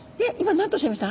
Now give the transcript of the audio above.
何とおっしゃいました？